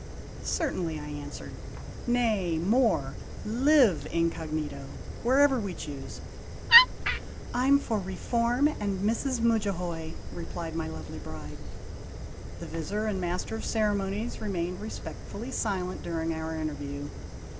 "Certainly," I answered; "nay, more: live incog, wherever we choose !"" I 'm for Reform and Mrs. Mudjahoy," replied my lovely bride. The Vizir and Master of Ceremonies remained respectfully silent during our interview.